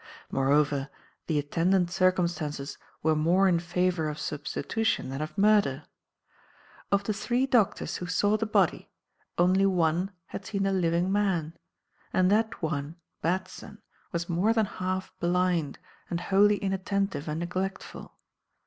"Moreover, the attendant circumstances were more in favour of substitution than of murder. Of the three doctors who saw the body, only one had seen the living man; and that one, Batson, was more than half blind and wholly inattentive and neglectful.